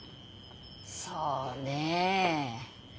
そうねえ。